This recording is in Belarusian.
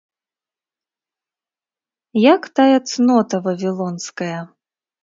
Як тая цнота вавілонская.